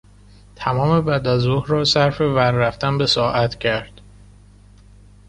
تمام بعد از ظهر را صرف ور رفتن به ساعت کرد.